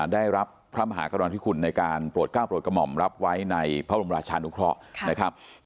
ได้รับพระมหากรณาธิคุณในการโปรดก้าวโปรดกระหม่อมรับไว้ในพระบรมราชานุเคราะห์นะครับ